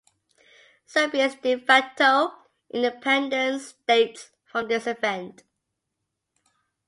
Serbia's "de facto" independence dates from this event.